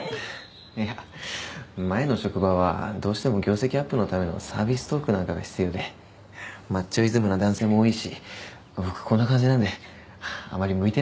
いや前の職場はどうしても業績アップのためのサービストークなんかが必要でマッチョイズムな男性も多いし僕こんな感じなんであまり向いていなくて。